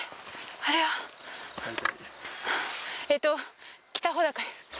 あれは、えっと、北穂高です。